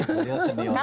dia sedia banget aja